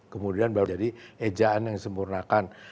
kemudian baru jadi ejaan yang disempurnakan